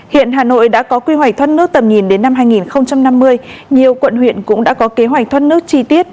hiện hà nội đã có quy hoạch thoát nước tầm nhìn đến năm hai nghìn năm mươi nhiều quận huyện cũng đã có kế hoạch thoát nước chi tiết